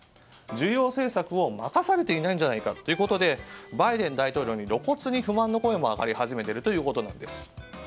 重要政策を任されていないんじゃないかということでバイデン大統領に露骨に不満の声も上がり始めているということなんです。